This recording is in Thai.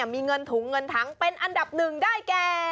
มีเงินถุงเงินถังเป็นอันดับหนึ่งได้แก่